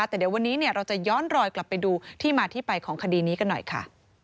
แต่เดี๋ยววันนี้เราจะย้อนรอยกลับไปดูที่มาที่ไปของคดีนี้กันหน่อยค่ะ